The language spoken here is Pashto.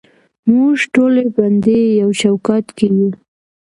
موږ ټولې بندې یو چوکاټ کې یو